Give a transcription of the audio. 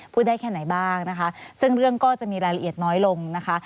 ได้แค่ไหนบ้างนะคะซึ่งเรื่องก็จะมีรายละเอียดน้อยลงนะคะ